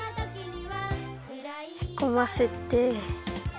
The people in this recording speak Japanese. へこませて。